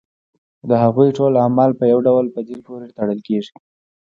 د هغوی ټول اعمال په یو ډول په دین پورې تړل کېږي.